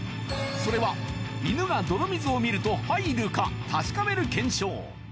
それは犬がドロ水を見ると入るか確かめる検証